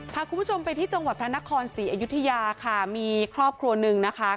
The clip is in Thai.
พาคุณผู้ชมไปที่จังหวัดพระนครศรีอยุธยาค่ะมีครอบครัวหนึ่งนะคะ